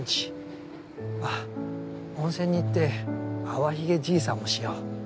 あっ温泉に行ってあわひげじいさんもしよう。